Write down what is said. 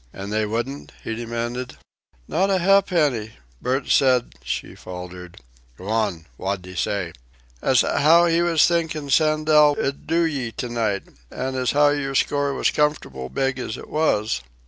"An' they wouldn't?" he demanded. "Not a ha'penny. Burke said " She faltered. "G'wan! Wot'd he say?" "As how 'e was thinkin' Sandel ud do ye to night, an' as how yer score was comfortable big as it was."